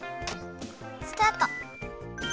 スタート！